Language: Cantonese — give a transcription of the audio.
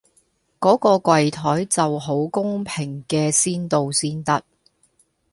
嗰個櫃檯就好公平嘅先到先得